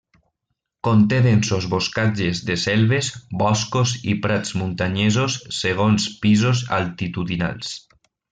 Conté densos boscatges de selves, boscos i prats muntanyesos segons pisos altitudinals.